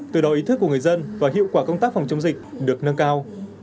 từ đó ý thức của người dân và hiệu quả công tác phòng chống dịch được nâng cao